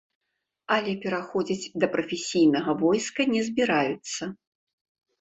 Але пераходзіць да прафесіянальнага войска не збіраюцца.